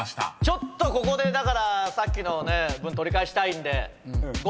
ちょっとここでだからさっきの分取り返したいんで。